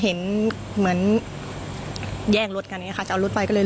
เห็นเหมือนแย่งรถกันอย่างนี้ค่ะจะเอารถไปก็เลย